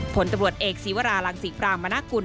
ผลตำรวจเอกศิวราหลังศิษย์ฝรางมนาคุณ